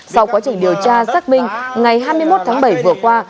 sau quá trình điều tra xác minh ngày hai mươi một tháng bảy vừa qua